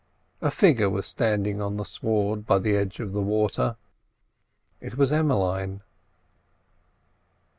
A figure was standing on the sward by the edge of the water. It was Emmeline.